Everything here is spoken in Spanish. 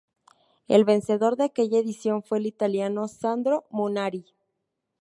El vencedor de aquella edición fue el italiano Sandro Munari.